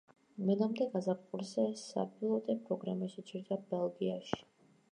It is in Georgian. მანამდე, გაზაფხულზე, საპილოტე პროგრამა შეჩერდა ბელგიაში.